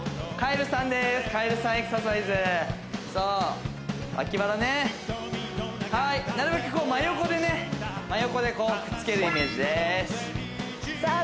エクササイズそう脇腹ねはいなるべくこう真横でね真横でこうくっつけるイメージですさあ